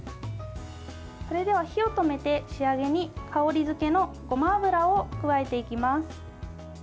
それでは火を止めて仕上げに、香り付けのごま油を加えていきます。